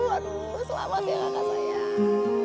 selamat ya kakak sayang